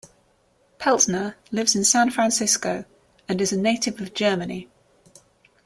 Peltner lives in San Francisco and is a native of Germany.